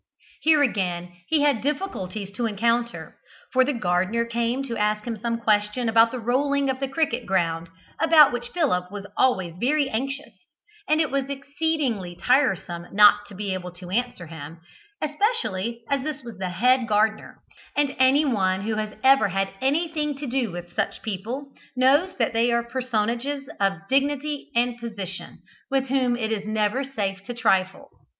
Here again he had difficulties to encounter, for the gardener came to ask him some question about the rolling of the cricket ground, about which Philip was always very anxious, and it was exceedingly tiresome not to be able to answer him, especially as this was the head gardener, and anyone who has ever had anything to do with such people, knows that they are personages of dignity and position, with whom it is never safe to trifle.